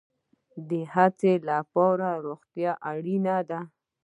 د هڅې لپاره روغتیا اړین ده